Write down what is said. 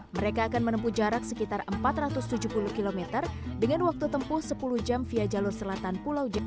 mereka akan menempuh jarak sekitar empat ratus tujuh puluh km dengan waktu tempuh sepuluh jam via jalur selatan pulau jepang